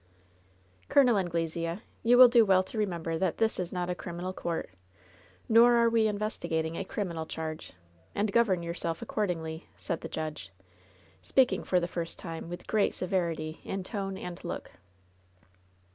180 LOVE'S BITTEREST CUP "Col. Anglesea, you will do well to remember tlmt this is not a criminal court, nor are we investigating a criminal charge. And govern yourself accordingly," aaid the judge, speaking for the first time with great severity in tone and look.